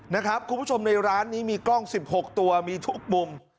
นะครับคุณผู้ชมในร้านนี้มีกล้อง๑๖ตัวมีทุกมุม